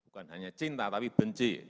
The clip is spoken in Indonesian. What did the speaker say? bukan hanya cinta tapi benci